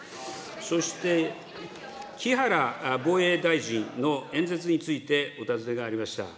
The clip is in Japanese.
そして木原防衛大臣の演説についてお尋ねがありました。